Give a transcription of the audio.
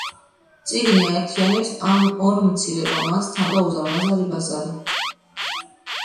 წიგნი აერთიანებს ორ მცირე რომანს „თამრო“ და „უზარმაზარი ბაზარი“.